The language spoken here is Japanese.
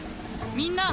みんな。